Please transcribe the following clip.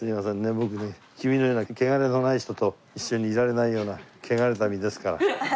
僕ね君のような汚れのない人と一緒にいられないような汚れた身ですから。